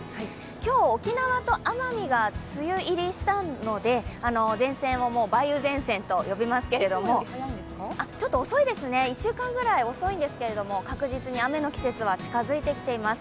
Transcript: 今日沖縄と奄美が梅雨入りしたので、前線を梅雨前線と呼びますけど、ちょっと遅いですね、１週間ぐらい遅いんですけれども確実に雨の季節は近づいてきています。